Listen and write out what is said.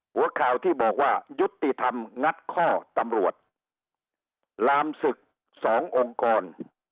หัวข่าวที่บอกว่ายุติธรรมงัดข้อตำรวจลามศึกสององค์กร